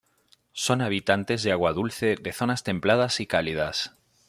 Son habitantes de agua dulce de zonas templadas y cálidas.